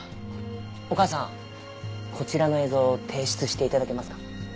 お母さんこちらの映像提出して頂けますか？